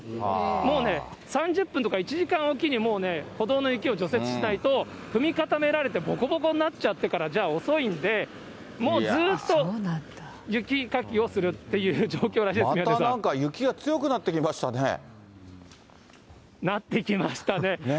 もうね、３０分とか１時間おきにもうね、歩道の雪を除雪しないと、踏み固められてぼこぼこになっちゃってからじゃ遅いんで、もう、ずーっと雪かきをするっていう状況なんです、またなんか雪が強くなってきなってきましたね。